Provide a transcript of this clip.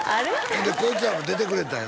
ほんでこいつらも出てくれたんよ